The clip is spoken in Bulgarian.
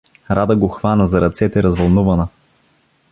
Рада го хвана за ръцете развълнувана.